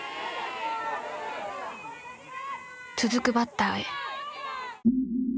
続くバッターへ。